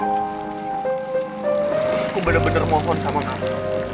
aku bener bener mohon sama kamu